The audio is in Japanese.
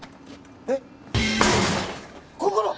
えっ？こころ！